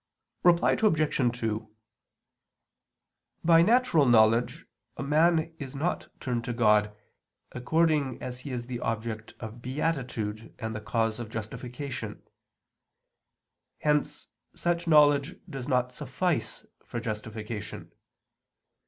Reply Obj. 2: By natural knowledge a man is not turned to God, according as He is the object of beatitude and the cause of justification. Hence such knowledge does not suffice for justification.